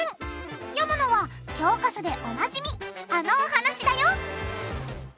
読むのは教科書でおなじみあのお話だよ！